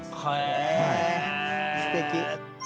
えすてき。